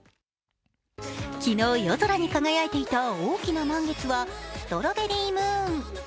昨日、夜空に輝いていた大きな満月はストロベリームーン。